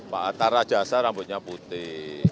pak tarajasa rambutnya putih